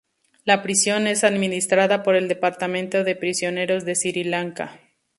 La prisión es administrada por el Departamento de Prisiones de Sri Lanka.